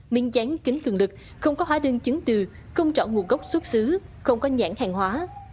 miên gián kính cường lực không có hóa đơn chứng từ không trọng nguồn gốc xuất xứ không có nhãn hàng hóa